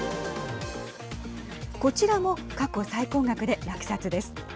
こちらも過去最高額で落札です。